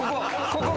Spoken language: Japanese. ここ！